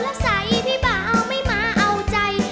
แล้วใสพี่เบาไม่มาเอาใจ